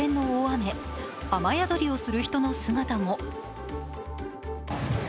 雨宿りをする人の姿も。